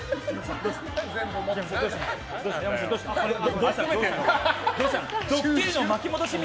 どうした？